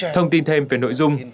thông tin thêm về nội dung